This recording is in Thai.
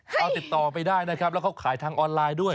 ใช่ครับแล้วเขาขายทางออนไลน์ด้วย